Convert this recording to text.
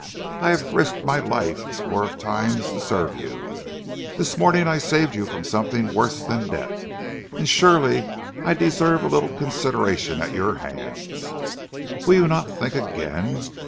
I have risked my life a score of times to serve you. This morning I saved you from something worse than death, and surely I deserve a little consideration at your hands. Will you not think again?